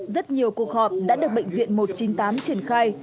rất nhiều cuộc họp đã được bệnh viện một trăm chín mươi tám triển khai